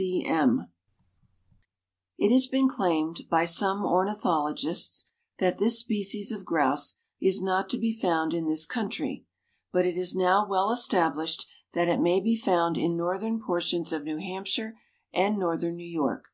_) C. C. M. It has been claimed by some ornithologists that this species of grouse is not to be found in this country, but it is now well established that it may be found in northern portions of New Hampshire and northern New York.